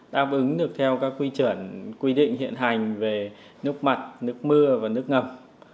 đáp ứng được theo các quy chuẩn quy định hiện hành về nước mặt nước mưa và nước ngầm